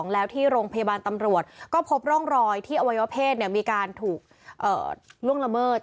แล้วที่โรงพยาบาลตำรวจก็พบร่องรอยที่อวัยวะเพศมีการถูกล่วงละเมิด